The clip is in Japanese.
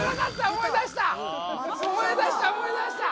思い出した思い出した！